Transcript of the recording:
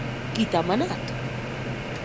Qui t’a manat?